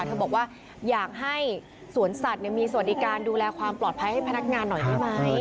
เธอบอกว่าอยากให้สวนสัตว์มีสวัสดิการดูแลความปลอดภัยให้พนักงานหน่อยได้ไหม